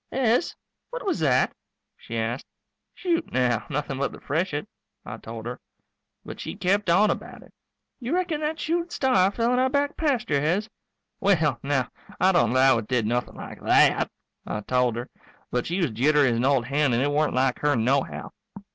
"Hez, what was that?" she asked. "Shoot, now, nothing but the freshet," I told her. But she kept on about it. "You reckon that shooting star fell in our back pasture, Hez?" "Well, now, I don't 'low it did nothing like that," I told her. But she was jittery as an old hen and it weren't like her nohow.